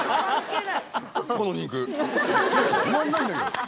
この肉止まんないんだけど。